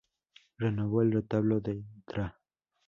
Renovó el retablo de Ntra.